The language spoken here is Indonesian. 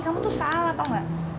kamu tuh salah tau gak